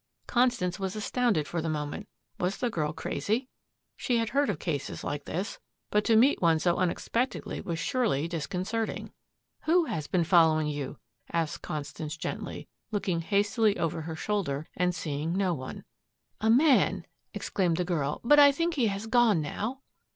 Constance was astounded for the moment. Was the girl crazy? She had heard of cases like this, but to meet one so unexpectedly was surely disconcerting. "Who has been following you!" asked Constance gently, looking hastily over her shoulder and seeing no one. "A man," exclaimed the girl, "but I think he has gone now."